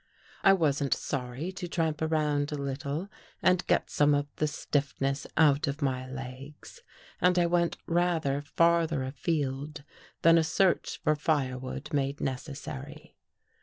I wasn't sorry to tramp around a little and get some of the stiffness out of my legs, and I went rather farther afield than a search for firewood made neces sary.